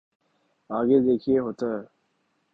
آگے دیکھئے ہوتا ہے۔